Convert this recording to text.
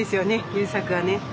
優作がね。